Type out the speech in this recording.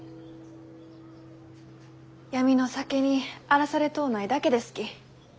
闇の酒に荒らされとうないだけですき。